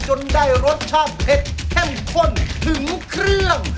จนได้รสชาติเผ็ดเข้มข้นถึงเครื่อง